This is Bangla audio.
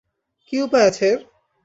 কী উপায় আছে এর?